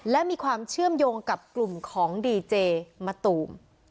และมีความเชื่อมโยงกับกลุ่มของดีเจมะตูม